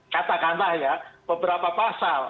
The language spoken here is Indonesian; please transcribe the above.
kata kata ya beberapa pasal